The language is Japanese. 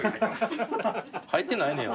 入ってないねや。